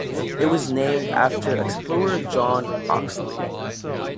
It was named after explorer John Oxley.